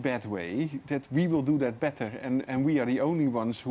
dan kita adalah yang satu satunya yang akan menjaga alam semesta